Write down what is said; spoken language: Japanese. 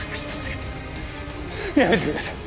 やめてください。